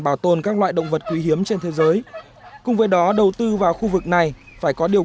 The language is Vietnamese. bảo tồn các loại động vật quý hiếm trên thế giới cùng với đó đầu tư vào khu vực này phải có điều